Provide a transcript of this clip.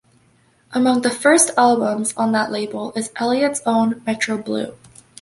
Among the first albums on that label is Elliot's own "Metro Blue".